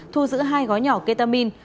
thu giữ hai gói nhỏ ketamine